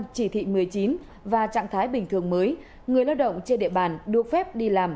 chỉ thị một mươi chín và trạng thái bình thường mới người lao động trên địa bàn được phép đi làm